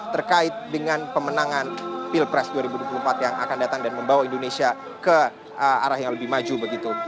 terkait dengan pemenangan pilpres dua ribu dua puluh empat yang akan datang dan membawa indonesia ke arah yang lebih maju begitu